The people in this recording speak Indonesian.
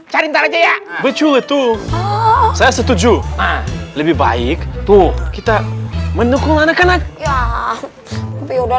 cari tarik becule tuh saya setuju lebih baik tuh kita menukul anak anak ya ya udah